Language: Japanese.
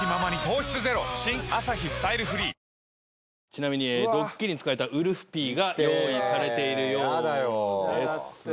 ちなみにドッキリに使われたウルフピーが用意されているようです。